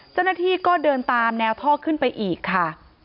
เจ้าหน้าที่ก็เดินตามแนวท่อขึ้นไปอีกค่ะ